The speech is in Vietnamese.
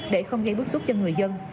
để không gây bức xúc cho người dân